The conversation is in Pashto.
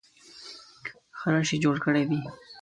ښه رش یې جوړ کړی وي.